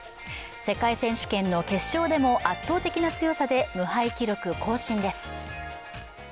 世界選手権の決勝でも圧倒的な強さで無敗記録更新です。